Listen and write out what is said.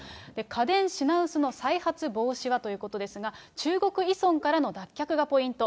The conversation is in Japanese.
家電品薄の再発防止はということですが、中国依存からの脱却がポイント。